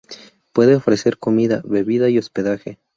Puede ofrecer comida, bebida y hospedaje.